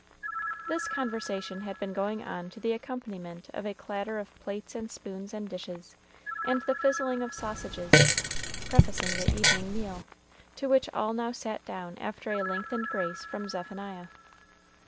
This conversation had been going on to the accompaniment of a clatter of plates and spoons and dishes, and the fizzling of sausages, prefacing the evening meal, to which all now sat down after a lengthened grace from Zephaniah.